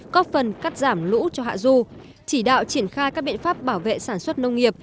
góp phần cắt giảm lũ cho hạ du chỉ đạo triển khai các biện pháp bảo vệ sản xuất nông nghiệp